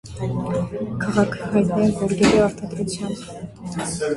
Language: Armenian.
Քաղաքը հայտնի է գորգերի արտադրությամբ։